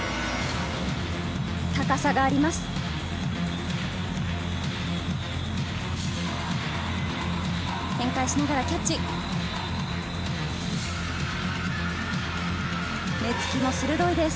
高さがあります。